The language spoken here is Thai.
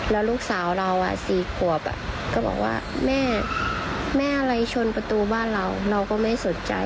แล้วลูกสาวเรา๔ขวบก็บอกว่าแม่แม่อะไรชนประตูบ้านเราเราก็ไม่สนใจ